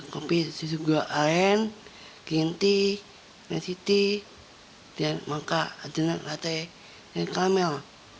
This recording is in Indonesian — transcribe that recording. kopi susu goreng gin teh nasi teh dan maka ada latte dan kamel